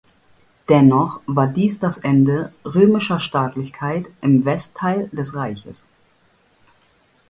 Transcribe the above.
Dennoch war dies das Ende römischer Staatlichkeit im Westteil des Reiches.